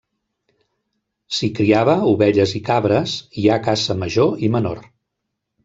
S'hi criava ovelles i cabres, hi ha caça major i menor.